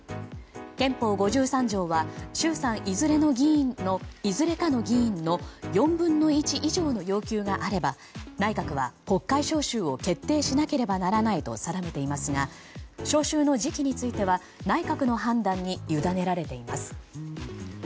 憲法５３条は衆参いずれかの議員の４分の１以上の要求があれば内閣は国会召集を決定しなければならないと定めていますが召集の時期については内閣の判断にゆだねられています。